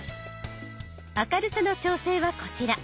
明るさの調整はこちら。